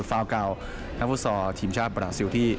ฟาล์กราลนักฟุตสอบชาติประหลาสิวที่